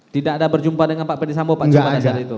tidak ada berjumpa dengan pak pedisambo pak cuk pada saat itu